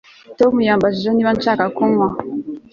Tom yambajije niba nshaka kunywa